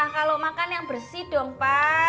kalo makan yang bersih dong pa